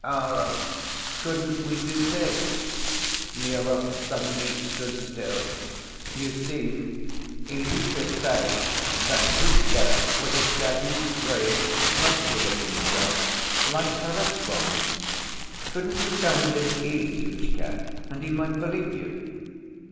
"Ah! couldn't we do this?" Smurov suddenly stood still. "You see Ilusha says that Zhutchka was a shaggy, grayish, smoky‐looking dog like Perezvon. Couldn't you tell him this is Zhutchka, and he might believe you?"